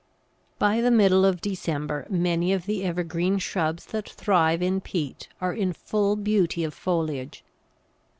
By the middle of December many of the evergreen shrubs that thrive in peat are in full beauty of foliage.